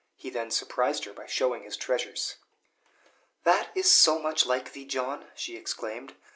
He then surprised her by showing his treasures. "That is so much like thee, John!" she exclaimed.